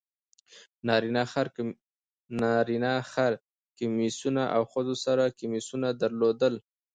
نارینه خر کمیسونه او ښځو سره کمیسونه درلودل.